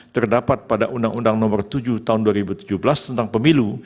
terdapat pada undang undang nomor tujuh tahun dua ribu tujuh belas tentang pemilu